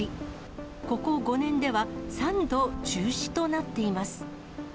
ここ５年では、３度中止となっています。